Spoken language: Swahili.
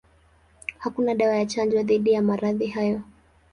Hakuna dawa ya chanjo dhidi ya maradhi hayo.